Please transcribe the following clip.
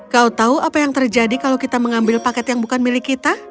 kau tahu apa yang terjadi kalau kita mengambil paket yang bukan milik kita